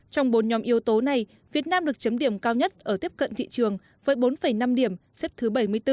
trong bốn nhóm yếu tố này việt nam được chấm điểm cao nhất ở tiếp cận thị trường với bốn năm điểm xếp thứ bảy mươi bốn